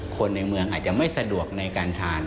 คนในเมืองอาจจะไม่สะดวกในการทาน